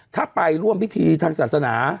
ถ้าไปร่วมพิธีทางศาสนา